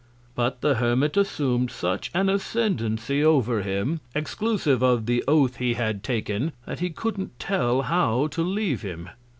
But the Hermit assum'd such an Ascendency over him, exclusive of the Oath he had taken, that he couldn't tell how to leave him.